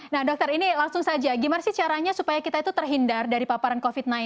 nah dokter ini langsung saja gimana sih caranya supaya kita itu terhindar dari paparan covid sembilan belas